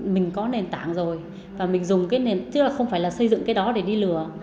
mình có nền tảng rồi và mình dùng cái nền tảng chứ là không phải là xây dựng cái đó để đi lừa